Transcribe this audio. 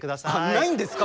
ないんですか？